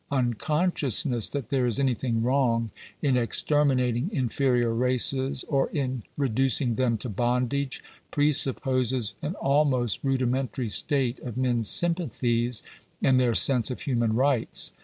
Uncon sciousness that there is anything wrong in exterminating in ferior races, or in reducing them to bondage, presupposes an almost rudimentary state of men's sympathies and their sense of human rights.